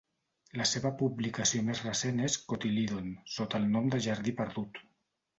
La seva publicació més recent és "Cotyledon" sota el nom de Jardí Perdut.